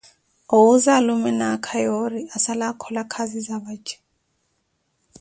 Owuuza alume ni aakha yoori asala akhola khaazi za vace.